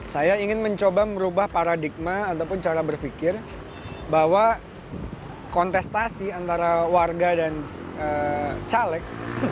saya ingin mencoba merubah paradigma ataupun cara berpikir bahwa kontestasi antara warga dan caleg